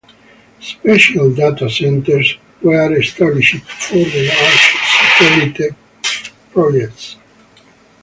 Special data centers were established for the large satellite projects.